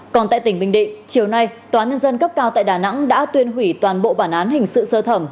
còn tại tỉnh bình định chiều nay tòa nhân dân cấp cao tại đà nẵng đã tuyên hủy toàn bộ bản án hình sự sơ thẩm